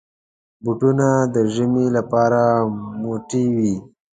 بوټونه د ژمي لپاره موټي وي.